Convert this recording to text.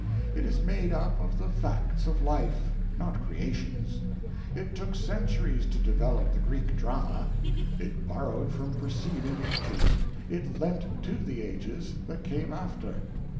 It is made up of the facts of life, not creations. It took centuries to develop the Greek drama. It borrowed from preceding ages; it lent to the ages that came after.